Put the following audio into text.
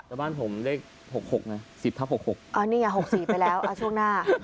แต่บ้านผมเลขหกหกน่ะสิบทักหกหกอ่ะนี่ไงหกสี่ไปแล้วอ่ะช่วงหน้า